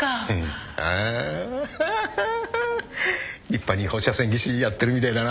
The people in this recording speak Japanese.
立派に放射線技師やってるみたいだな。